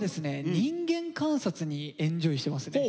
人間観察にエンジョイしてますね。